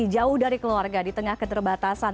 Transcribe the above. jauh dari keluarga di tengah keterbatasan